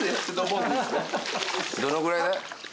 どのぐらいで？